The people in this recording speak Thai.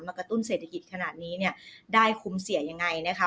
กระตุ้นเศรษฐกิจขนาดนี้เนี่ยได้คุ้มเสียยังไงนะคะ